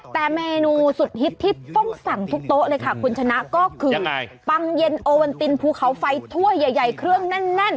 แต่เมนูสุดฮิตที่ต้องสั่งทุกโต๊ะเลยค่ะคุณชนะก็คือยังไงปังเย็นโอวันตินภูเขาไฟถ้วยใหญ่เครื่องแน่น